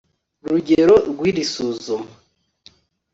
rugero rw iri suzuma